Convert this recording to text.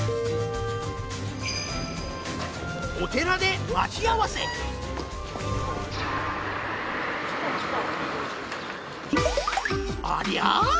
お寺で待ち合わせありゃ？